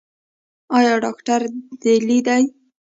ایا ډاکټر دلې دی؟